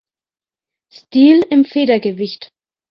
Stil im Federgewicht.